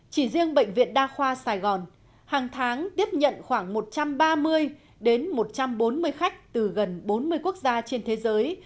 chỉ riêng bệnh viện đa khoa sài gòn hàng tháng tiếp nhận khoảng một trăm ba mươi đến một trăm bốn mươi khách từ gần bốn mươi quốc gia trên thế giới